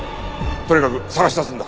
とにかく捜し出すんだ！